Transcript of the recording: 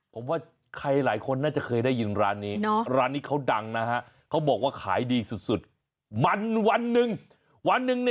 ผมว่าใครหลายคนน่าจะเคยได้ยินร้านนี้ร้านนี้เขาดังนะฮะเขาบอกว่าขายดีสุดมันวันหนึ่งวันหนึ่ง